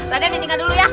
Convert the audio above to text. raden ditinggal dulu ya